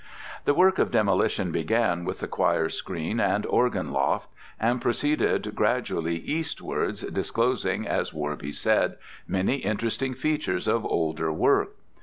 The work of demolition began with the choir screen and organ loft, and proceeded gradually eastwards, disclosing, as Worby said, many interesting features of older work.